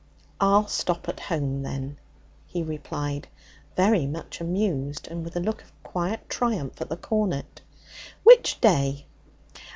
'I'll stop at home,' then, he replied, very much amused, and with a look of quiet triumph at the cornet. 'Which day?'